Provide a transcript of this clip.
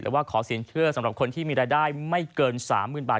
แต่ว่าขอสินเชื่อสำหรับคนที่มีรายได้ไม่เกิน๓๐๐๐บาท